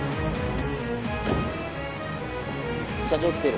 社長来てる？